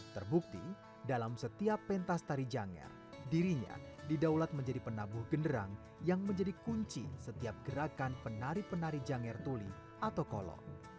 terbukti dalam setiap pentas tari janger dirinya didaulat menjadi penabuh genderang yang menjadi kunci setiap gerakan penari penari janger tuli atau kolo